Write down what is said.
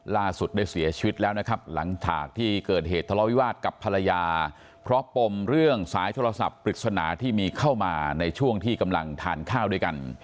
ล่าสุดได้เสียชีวิตแล้วนะครับหลังจากที่เกิดเหตุทะเลาวิวาสกับภรรยาเพราะปมเรื่องสายโทรศัพท์ปริศนาที่มีเข้ามาในช่วงที่กำลังทานข้าวด้วยกัน